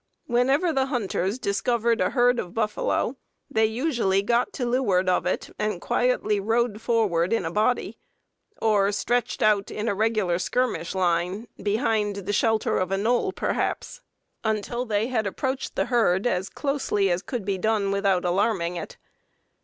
Whenever the hunters discovered a herd of buffalo, they usually got to leeward of it and quietly rode forward in a body, or stretched out in a regular skirmish line, behind the shelter of a knoll, perhaps, until they had approached the herd as closely as could be done without alarming it.